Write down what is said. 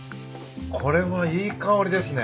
これはいい香りですね。